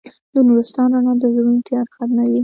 د نورستان رڼا د زړونو تیاره ختموي.